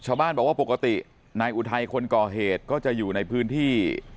ชาวบ้านบอกว่าปกตินายอุทัยคนก่อเหตุก็จะอยู่ในพื้นที่